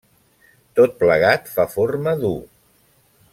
Tot plegat fa forma d'u.